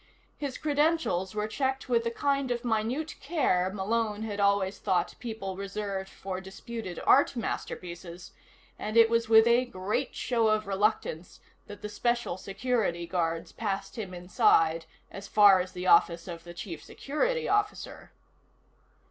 His credentials were checked with the kind of minute care Malone had always thought people reserved for disputed art masterpieces, and it was with a great show of reluctance that the Special Security guards passed him inside as far as the office of the Chief Security Officer.